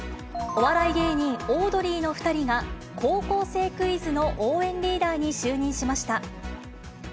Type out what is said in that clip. お笑い芸人、オードリーの２人が、高校生クイズの応援リーダーに就任しました。